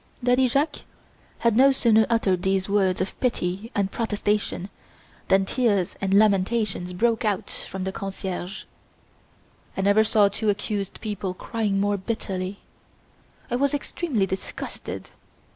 Daddy Jacques had no sooner uttered these words of pity and protestation than tears and lamentations broke out from the concierges. I never saw two accused people crying more bitterly. I was extremely disgusted.